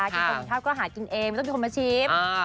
กินคนกินข้าวก็หากินเองไม่ต้องมีคนมาชิม